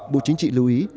bộ chính trị lưu ý